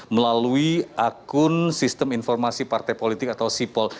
melalui akun sistem informasi partai politik atau sipol